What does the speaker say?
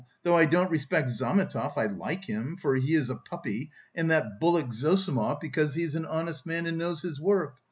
though I don't respect Zametov, I like him, for he is a puppy, and that bullock Zossimov, because he is an honest man and knows his work.